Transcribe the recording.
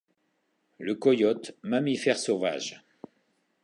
Le coyote, mammifère sauvage